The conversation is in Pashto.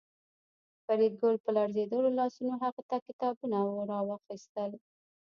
فریدګل په لړزېدلو لاسونو هغه کتابونه راواخیستل